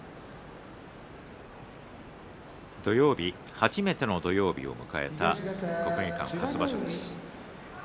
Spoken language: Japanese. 初めての土曜日を迎えた国技館初場所です。